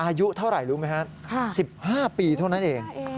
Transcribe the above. อายุเท่าไรรู้มั้ยฮะสิบห้าปีเท่านั้นเอง